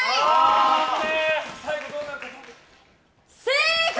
正解！